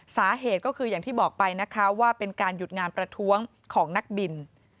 สาเหตุก็คืออย่างที่บอกไปนะคะว่าเป็นการหยุดงานประท้วงของนักบิน